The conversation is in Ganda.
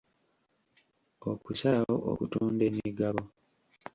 Okusalawo okutunda emigabo.